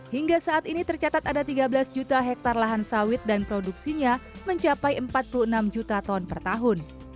hingga saat ini tercatat ada tiga belas juta hektare lahan sawit dan produksinya mencapai empat puluh enam juta ton per tahun